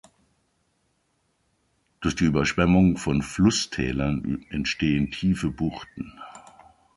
Durch die Überschwemmung von Flusstälern entstehen tiefe Buchten.